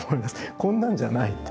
こんなんじゃないって。